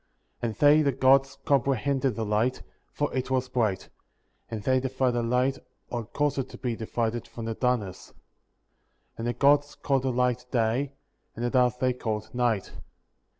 4. And they (the Gods) comprehended the light, for it was bright; and they divided the light, or caused it to be divided, from the darkness. 5. And the Gods called the light Day, and the darkness they called Night.